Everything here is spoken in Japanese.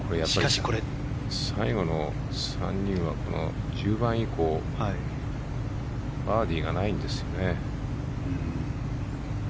最後の３人は１０番以降バーディーがないんですよね。